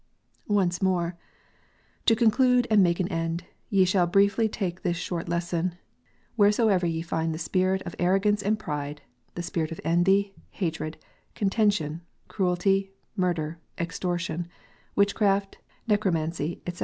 Once more :" To conclude and make an end, ye shall briefly take this short lesson : wheresoever ye find the spirit of arrogance and pride, the spirit of envy, hatred, contention, cruelty, murder, extor tion, witchcraft, necromancy, etc.